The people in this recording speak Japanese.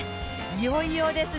いよいよですね。